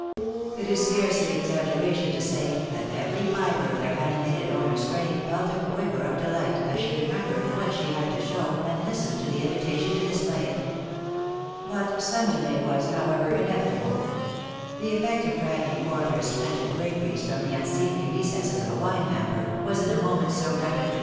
It is scarcely exaggeration to say, that every fibre of their animated owner's frame felt a quiver of deUght as she remembered what she had to show, and listened to the invitation to display it. But some delay was, however, inevit able. The effect of dragging forth her splendid draperies from the imseemly recesses of a wine hamper, was in a moment so graphically A SUPERFLUITY OP EEADIXESS.